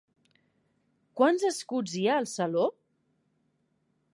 Quants escuts hi ha al saló?